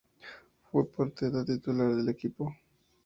Fue portera titular del equipo.